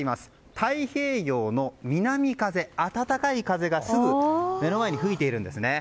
太平洋の南風、暖かい風がすぐ目の前に吹いているんですね。